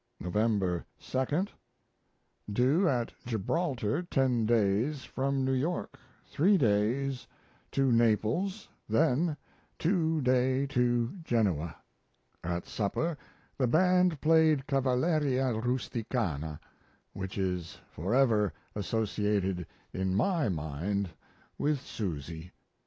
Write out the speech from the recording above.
November 2. Due at Gibraltar 10 days from New York. 3 days to Naples, then 2 day to Genoa. At supper the band played "Cavalleria Rusticana," which is forever associated in my mind with Susy.